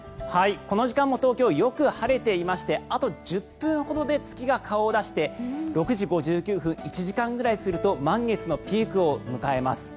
この時間も東京、よく晴れていましてあと１０分ほどで月が顔を出して６時５９分、１時間ぐらいすると満月のピークを迎えます。